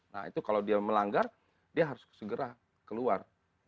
nah itu kalau dia melanggar dia harus segera keluar